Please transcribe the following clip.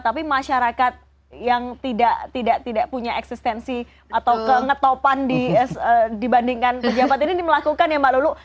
tapi masyarakat yang tidak punya eksistensi atau ketopan dibandingkan pejabat ini melakukan ya mbak lulu